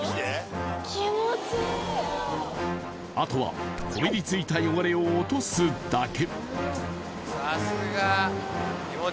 あとはこびりついた汚れを落とすだけ。